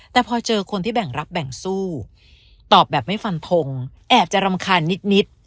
แต่พอเจอคนที่แบ่งรับแบ่งสู้ตอบแบบไม่ฟันทงแอบจะรำคาญนิด